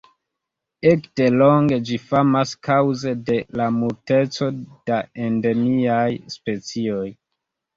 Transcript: Ekde longe ĝi famas kaŭze de la multeco da endemiaj specioj.